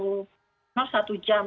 mungkin satu jam